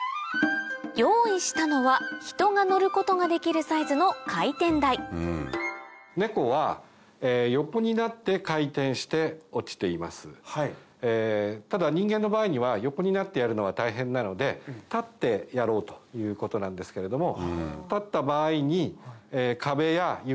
用意したのは人が乗ることができるサイズのただ人間の場合には横になってやるのは大変なので立ってやろうということなんですけれども。